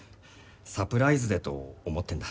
サプライズでと思ってんだ。